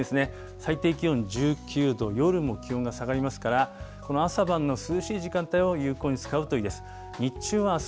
最低気温１９度、夜も気温が下がりますから、この朝晩の涼しい時間帯を有効に使うといいです。